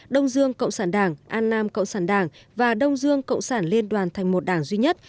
đông dương cộng sản đảng an nam cộng sản đảng và đông dương cộng sản liên đoàn thành một đảng duy nhất